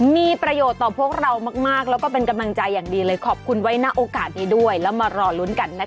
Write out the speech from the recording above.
มีประโยชน์ต่อพวกเรามากแล้วก็เป็นกำลังใจอย่างดีเลยขอบคุณไว้ณโอกาสนี้ด้วยแล้วมารอลุ้นกันนะคะ